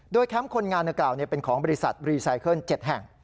แคมป์คนงานดังกล่าวเป็นของบริษัทรีไซเคิล๗แห่ง